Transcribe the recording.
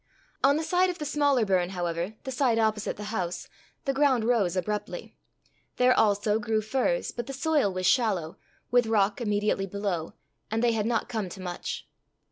On the side of the smaller burn, however, the side opposite the house, the ground rose abruptly. There also grew firs, but the soil was shallow, with rock immediately below, and they had not come to much.